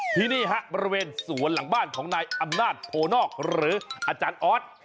ที่นี่ฮะบริเวณสวนหลังบ้านของนายอำนาจโพนอกหรืออาจารย์ออส